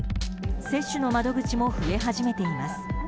接種の窓口も増え始めています。